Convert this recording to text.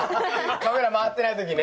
カメラ回ってない時ね。